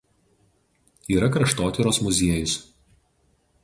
Yra Kraštotyros muziejus.